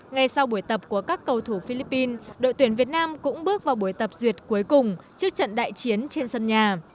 ngay sau buổi tập của các cầu thủ philippines đội tuyển việt nam cũng bước vào buổi tập duyệt cuối cùng trước trận đại chiến trên sân nhà